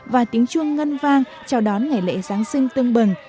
và tiếng chuông ngân vang chào đón ngày lễ giáng sinh tương bừng